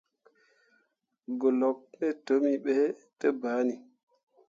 Goluk tǝtǝmmi ɓe ne banne.